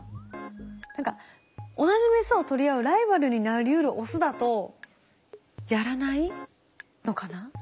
何か同じメスを取り合うライバルになりうるオスだとやらないのかな？